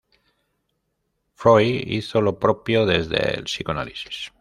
Freud hizo lo propio desde el psicoanálisis.